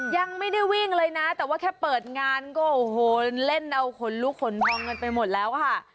ยังไม่ได้วิ่งเลยนะแต่ว่าแค่เปิดงานก็โอ้โหเล่นเอาขนลุกขนพองกันไปหมดแล้วค่ะ